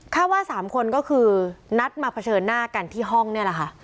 ว่า๓คนก็คือนัดมาเผชิญหน้ากันที่ห้องนี่แหละค่ะ